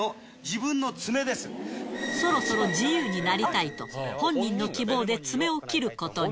そろそろ自由になりたいと、本人の希望で爪を切ることに。